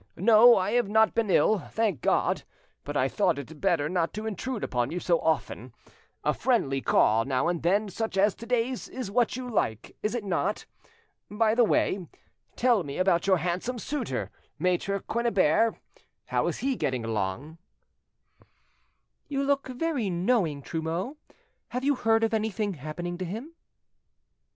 No, I have not been ill, thank God, but I thought it better not to intrude upon you so often. A friendly call now and then such as to day's is what you like, is it not? By the way, tell me about your handsome suitor, Maitre Quennebert; how is he getting along?" "You look very knowing, Trumeau: have you heard of anything happening to him?"